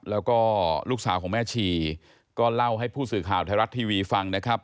แล้วก็ลูกสาวของแม่ชีก็เล่าให้ผู้สื่อข่าวไทยรัฐทีวีฟังนะครับ